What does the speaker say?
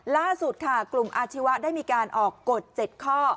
ล่าสุดค่ะกลุ่มอาชีวะได้มีการออกกฎ๗ข้อ